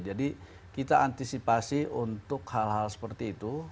jadi kita antisipasi untuk hal hal seperti itu